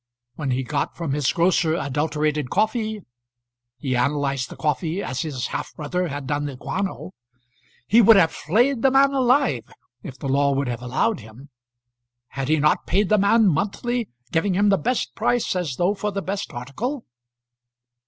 When he got from his grocer adulterated coffee, he analyzed the coffee, as his half brother had done the guano, he would have flayed the man alive if the law would have allowed him. Had he not paid the man monthly, giving him the best price as though for the best article?